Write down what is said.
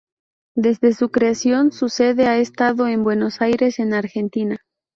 Desde su creación su sede ha estado en Buenos Aires en Argentina.